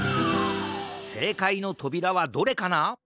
せいかいのとびらはどれかな？